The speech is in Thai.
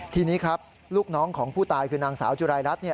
ทีนี้ครับลูกน้องของผู้ตายคือนางสาวจุรายรัฐ